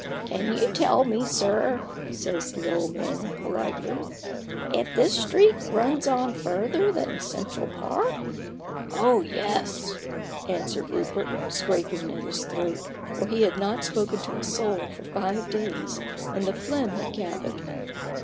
" Can you tell me, sir," says the old man, politely, li if this street runs on further than Central Park?" "Oh, yes/' answered Rupert, scraping at his throat ; for he had not spoken to a soul for five days, and the phlegm had gathered.